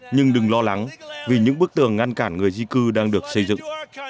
nhưng đừng lo lắng vì những bức tường ngăn cản người di cư đang được xây dựng